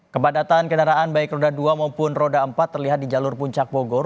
kepadatan kendaraan baik roda dua maupun roda empat terlihat di jalur puncak bogor